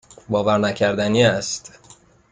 باورنکردنی است.